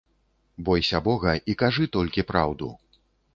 Бойся бога і кажы толькі праўду.